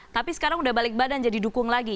tapi sekarang udah balik badan jadi dukung lagi